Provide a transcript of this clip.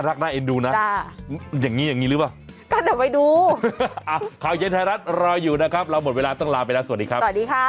อ่ะของเย็นไทรรัฐรออยู่นะครับเราหมดเวลาต้องลาไปแล้วสวัสดีครับ